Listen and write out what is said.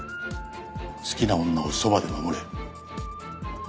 好きな女をそばで守れ。